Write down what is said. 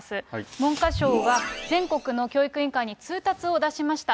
文科省は全国の教育委員会に通達を出しました。